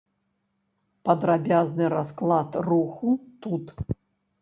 Падрабязны расклад руху тут.